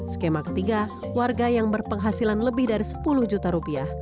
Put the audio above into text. skema ketiga warga yang berpenghasilan lebih dari sepuluh juta rupiah